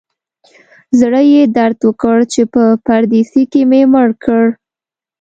زړه یې درد وکړ چې په پردیسي کې مې مړ کړ.